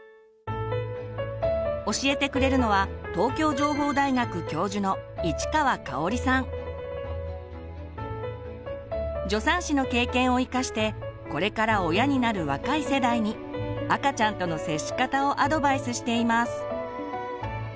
教えてくれるのは助産師の経験を生かしてこれから親になる若い世代に赤ちゃんとの接し方をアドバイスしています。